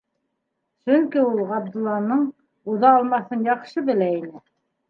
Сөнки ул Ғабдулланың уҙа алмаҫын яҡшы белә ине.